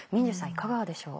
いかがでしょう？